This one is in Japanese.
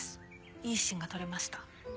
いいシーンが撮れました。